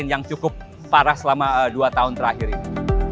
yang cukup parah selama dua tahun terakhir ini